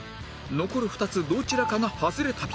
残る２つどちらかがハズレ旅